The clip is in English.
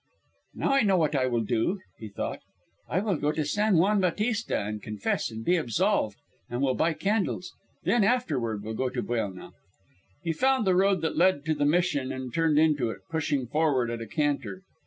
"Now I know what I will do," he thought. "I will go to San Juan Bautista and confess and be absolved, and will buy candles. Then afterward will go to Buelna." He found the road that led to the Mission and turned into it, pushing forward at a canter.